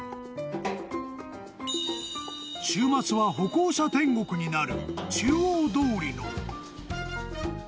［週末は歩行者天国になる］